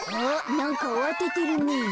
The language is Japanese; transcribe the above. なんかあわててるね。